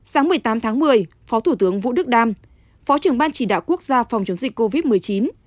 sáng một mươi tám tháng một mươi phó thủ tướng vũ đức đam phó trưởng ban chỉ đạo quốc gia phòng chống dịch covid một mươi chín